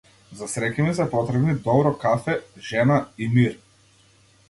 За среќа ми се потребни добро кафе, жена и мир.